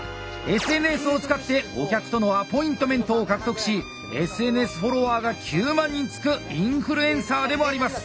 ＳＮＳを使ってお客とのアポイントメントを獲得しＳＮＳフォロワーが９万人つくインフルエンサーでもあります。